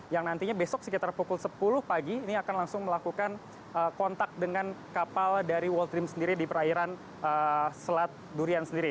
yang nantinya besok sekitar pukul sepuluh pagi ini akan langsung melakukan kontak dengan kapal dari world dream sendiri di perairan selat durian sendiri